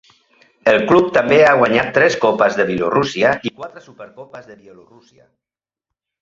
El club també ha guanyat tres Copes de Bielorússia i quatre Supercopes de Bielorússia.